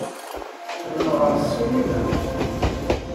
Qqlen ɣer ssinima.